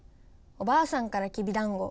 おばあさんからきびだんご。